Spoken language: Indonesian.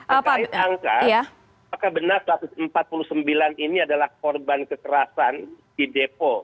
terkait angka apakah benar satu ratus empat puluh sembilan ini adalah korban kekerasan di depo